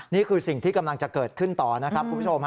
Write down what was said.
นี่คือสิ่งที่กำลังจะเกิดขึ้นต่อนะครับคุณผู้ชม